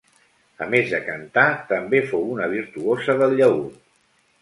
A més de cantar, també fou una virtuosa del llaüt.